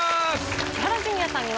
千原ジュニアさんには。